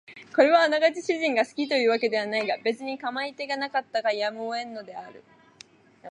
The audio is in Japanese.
これはあながち主人が好きという訳ではないが別に構い手がなかったからやむを得んのである